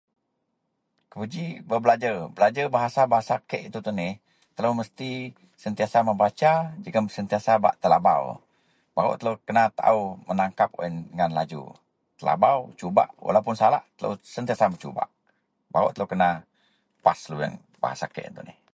Kubaji bak belajer, belajer bahasa - bahasa kek itou tuneh telou mesti sentiasa membaca jegem sentiasa bak telabau, baruk telou kena taao menangkep wak yen ngan laju. Telabau cubak walaupuun salak telou sentiasa mencubak baruk telou kena pass lubeang bahasa yen tuneh